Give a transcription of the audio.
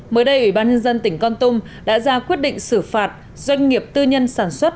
mới đây ủy ban nhân dân tỉnh con tum đã ra quyết định xử phạt doanh nghiệp tư nhân sản xuất